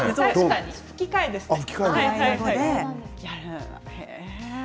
吹き替えですね。